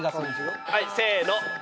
はいせーの。